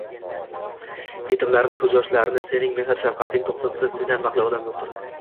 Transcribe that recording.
Yetimlarning ko'z yoshlarini sening mehr-shafqating to'xtatsa, sendan baxtli odam yo'qdir.